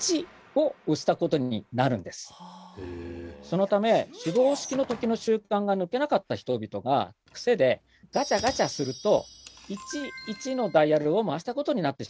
そのため手動式の時の習慣が抜けなかった人々がクセでガチャガチャすると「１」「１」のダイヤルを回したことになってしまうんです。